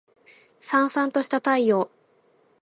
燦燦とした太陽